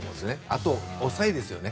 あとは抑えですね。